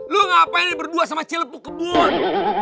lo ngapain berdua sama celeb kebun